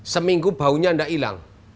seminggu baunya tidak hilang